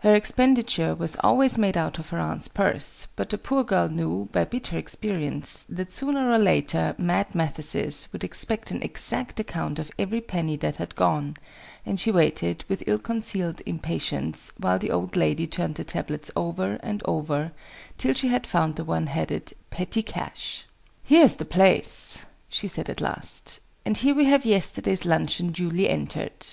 Her expenditure was always made out of her aunt's purse, but the poor girl knew, by bitter experience, that sooner or later "Mad Mathesis" would expect an exact account of every penny that had gone, and she waited, with ill concealed impatience, while the old lady turned the tablets over and over, till she had found the one headed "PETTY CASH." "Here's the place," she said at last, "and here we have yesterday's luncheon duly entered.